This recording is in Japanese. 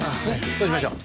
そうしましょう。